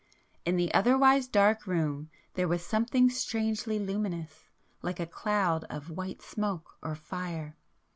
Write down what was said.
In the otherwise dark room there was something strangely luminous, like a cloud of white smoke or fire.